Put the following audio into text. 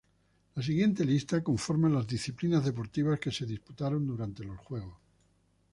La siguiente lista conforma las disciplinas deportivas que se disputaron durante los juegos.